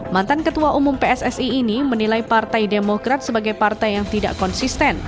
mantan ketua umum pssi ini menilai partai demokrat sebagai partai yang tidak konsisten